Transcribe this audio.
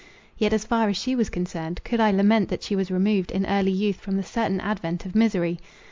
Yet, as far as she was concerned, could I lament that she was removed in early youth from the certain advent of misery?